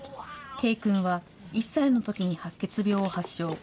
慶くんは、１歳のときに白血病を発症。